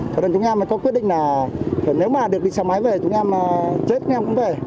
thế nên chúng em có quyết định là nếu mà được đi xe máy về chúng em chết chúng em cũng về